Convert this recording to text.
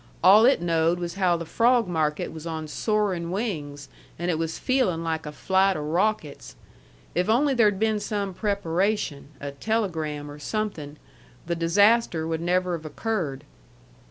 All it knowed was how the frawg market was on soarin' wings, and it was feelin' like a flight o' rawckets. If only there'd been some preparation, a telegram or something, the disaster would never have occurred.